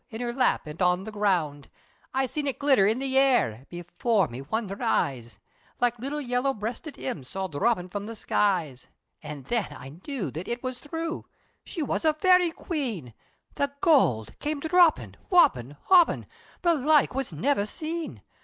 In Her lap, an' on the ground! I seen it glitter in the air, Before me wondherin' eyes, Like little yalla breasted imps, All dhroppin from the skies! O then I knew that it was threw, She was a Fairy Queen, The goold, came dhroppin'! whoppin'! hoppin' The like was never seen!